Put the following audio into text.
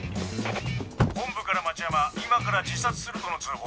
本部から町山今から自殺するとの通報。